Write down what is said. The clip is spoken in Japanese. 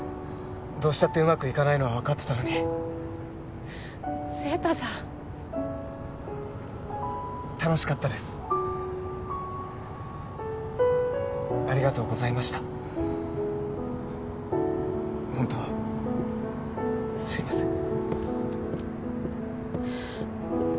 どうしたってうまくいかないのは分かってたのに晴太さん楽しかったですありがとうございましたほんとすいません